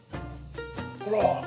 ほら。